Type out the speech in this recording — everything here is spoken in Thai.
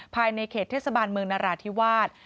ภายในเขตเทศบาลเมืองนราธิวาส